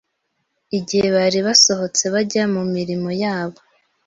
igihe bari basohotse bajya mu mirimo yabo